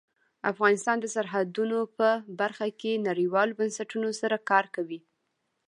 افغانستان د سرحدونه په برخه کې نړیوالو بنسټونو سره کار کوي.